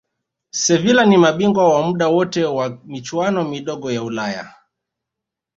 sevila ni mabingwa wa muda wote wa michuano midogo ya ulaya